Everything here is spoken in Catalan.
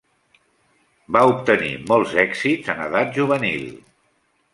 Va obtenir molts èxits en edat juvenil.